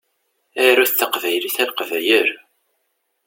Arut taqbaylit a Leqbayel.